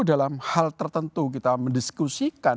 dalam hal tertentu kita mendiskusikan